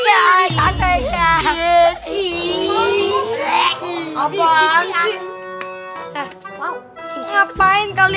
yang cantik ya